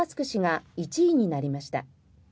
氏が１位になりました。